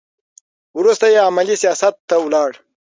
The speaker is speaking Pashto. وروسته یې عملي سیاست ته لاړ.